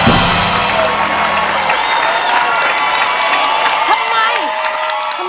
ไม่ใช่ครับ